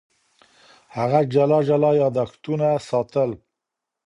هغه جلا جلا یادښتونه ساتل.